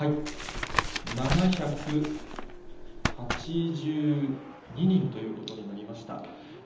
７８２人ということになりました。